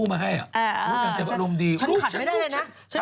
มันนั่งอารมณ์เสียนะ